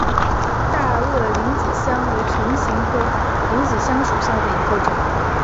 大萼铃子香为唇形科铃子香属下的一个种。